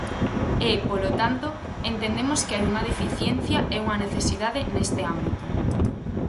E, polo tanto, entendemos que hai unha deficiencia e unha necesidade neste ámbito.